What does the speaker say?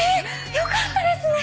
良かったですね。